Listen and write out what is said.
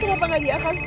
kenapa gak diangkat fiv